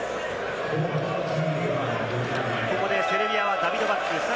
ここでセルビアはダビドバック。